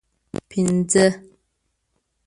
پنځه